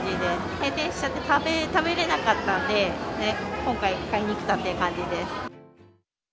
閉店しちゃって食べれなかったんで、今回、買いに来たって感じです。